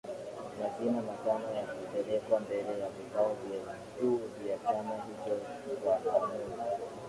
Majina matano yakapelekwa mbele ya vikao vya juu vya chama hicho kwa maamuzi